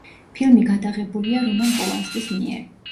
ფილმი გადაღებულია რომან პოლანსკის მიერ.